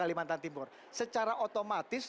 kalimantan timur secara otomatis